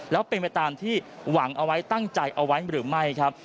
แล้วเป็นไปตามที่หวังเอาไว้ตั้งใจเอาไว้หรือไม่ครับ